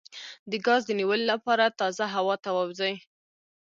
د ګاز د نیولو لپاره تازه هوا ته ووځئ